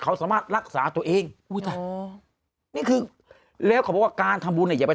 เขาสามารถรักษาตัวเองนี่คือแล้วเขาว่าการทำบุญเนี้ยอย่าไป